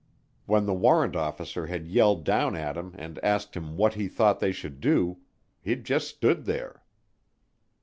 When the warrant officer had yelled down at him and asked him what he thought they should do, he'd just stood there.